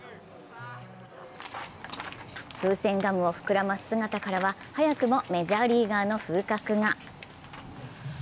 風船ガムを膨らます姿からは早くもメジャーリーガーの風格が。